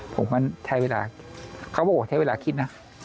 ผมมันใช้เวลาเขาบอกว่าใช้เวลาคิดนะ